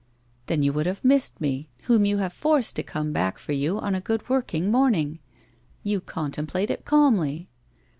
' Then you would have missed me, whom you have forced to come back for you on a good working morning. You contemplate it calmly!